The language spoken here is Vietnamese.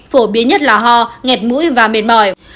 phổ biến nhất là ho ngẹt mũi và mệt mỏi